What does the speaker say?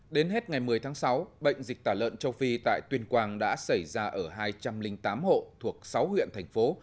đến hết ngày một mươi tháng sáu bệnh dịch tả lợn châu phi tại tuyên quang đã xảy ra ở hai trăm linh tám hộ thuộc sáu huyện thành phố